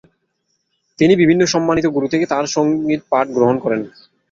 তিনি বিভিন্ন সম্মানিত 'গুরু' থেকে তাঁর সঙ্গীত পাঠ গ্রহণ করেন।